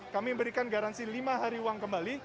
kami berikan garansi lima hari uang